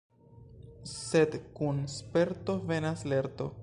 Sed kun sperto venas lerto.